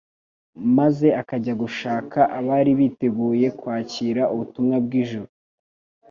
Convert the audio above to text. maze akajya gushaka abari biteguye kwakira ubutumwa bw’ijuru.